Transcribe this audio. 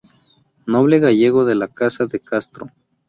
Noble gallego de la casa de Castro.